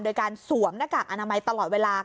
โดยการสวมหน้ากากอนามัยตลอดเวลา